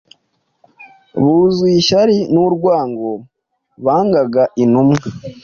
buzuye ishyari n’urwango bangaga intumwa,